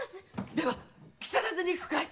では木更津に行くかい？